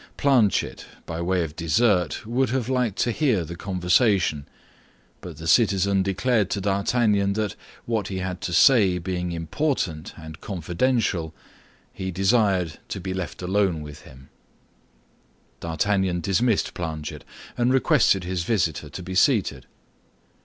Planchet, by way of dessert, would have liked to hear the conversation; but the citizen declared to D'Artagnan that, what he had to say being important and confidential, he desired to be left alone with him. D'Artagnan dismissed Planchet, and requested his visitor to be seated.